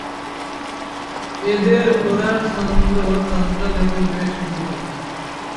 এদের ওড়ার ছন্দ চঞ্চল এবং বেশ দ্রুত।